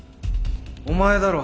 お前だろ？